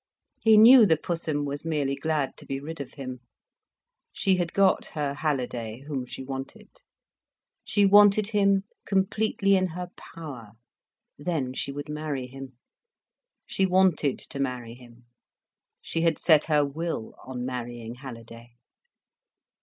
He knew the Pussum was merely glad to be rid of him. She had got her Halliday whom she wanted. She wanted him completely in her power. Then she would marry him. She wanted to marry him. She had set her will on marrying Halliday.